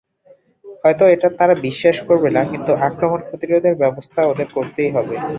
হয়ত এটা তারা বিশ্বাস করবে না, কিন্তু আক্রমণ প্রতিরোধের ব্যাবস্থা ওদের করতেই হবে।